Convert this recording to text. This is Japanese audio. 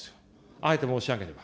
あえて申し上げれば。